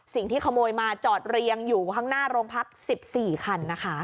สิ่งที่ขโมยมาจอดเรียงอยู่ข้างหน้าโรงพัก๑๔คันนะคะ